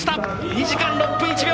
２時間６分１秒！